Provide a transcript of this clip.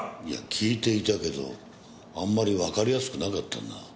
いや聞いていたけどあんまりわかりやすくなかったな。